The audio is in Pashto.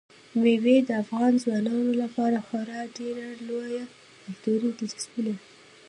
مېوې د افغان ځوانانو لپاره خورا ډېره لویه کلتوري دلچسپي لري.